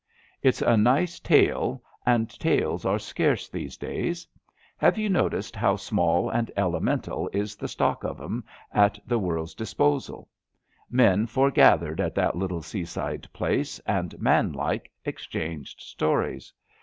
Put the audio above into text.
It's a nice tale, and tales are scarce these days. Have you noticed how small and elemental is the stock of them at the world's disposal! Men foregathered at that little seaside place, and, manlike, exchanged stories.